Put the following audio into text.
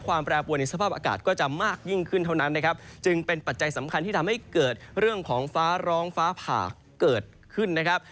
แปรปวนในสภาพอากาศก็จะมากยิ่งขึ้นเท่านั้นนะครับจึงเป็นปัจจัยสำคัญที่ทำให้เกิดเรื่องของฟ้าร้องฟ้าผ่าเกิดขึ้นนะครับ